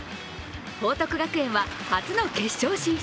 報徳学園は初の決勝進出